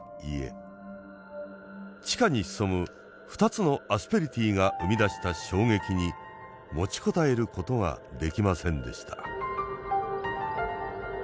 地下に潜む２つのアスペリティが生み出した衝撃に持ちこたえることができませんでした。